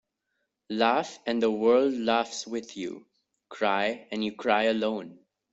Laugh and the world laughs with you. Cry and you cry alone.